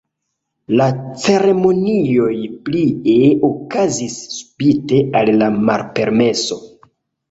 La ceremonioj plie okazis spite al la malpermeso.